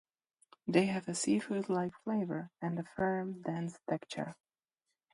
They have a seafood-like flavor and a firm, dense texture.